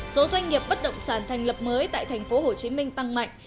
số doanh nghiệp bất động sản thành lập mới tại tp hcm tăng mạnh